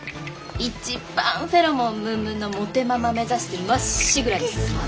一番フェロモンムンムンのモテママ目指してまっしぐらに進むはず。